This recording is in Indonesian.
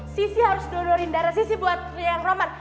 sissy harus donorin darah sissy buat yang roman